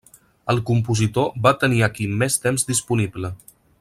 El compositor va tenir aquí més temps disponible.